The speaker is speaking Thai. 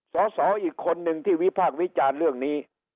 สสอีกคนนึงที่วิพากษ์วิจารณ์เรื่องนี้